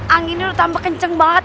anginnya udah tambah kenceng banget